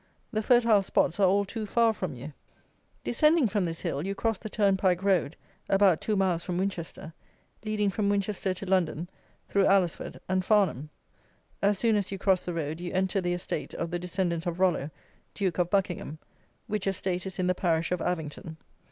The fertile spots are all too far from you. Descending from this hill, you cross the turnpike road (about two miles from Winchester), leading from Winchester to London through Alresford and Farnham. As soon as you cross the road, you enter the estate of the descendant of Rollo, Duke of Buckingham, which estate is in the parish of Avington.